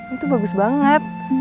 itu bagus banget